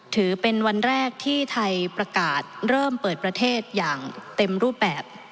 ถือเป็นวันแรกที่ไทยประกาศเริ่มเปิดประเทศอย่างเต็มรูปแบบ